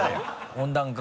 温暖化。